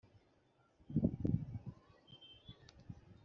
Buhoro buhoro uko igihe gihita